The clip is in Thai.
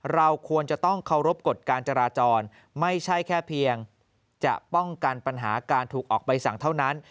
เราควรจะต้องเคารพกฎการจราจรไม่ใช่แค่เพียงจะป้องกันปัญหาการถูกออกใบสั่งเท่านั้น